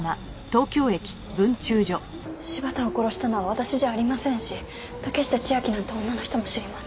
柴田を殺したのは私じゃありませんし竹下千晶なんて女の人も知りません。